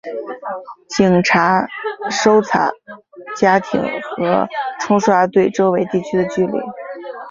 警察搜查家庭和冲刷对周围地区的距离。